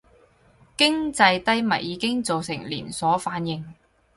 經濟低迷已經造成連鎖反應